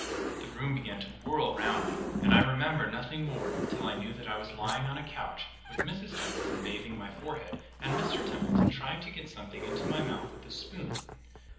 The room began to whirl round me, and I remember nothing more till I knew that I was lying on a couch, with Mrs Templeton bathing my forehead, and Mr Templeton trying to get something into my mouth with a spoon.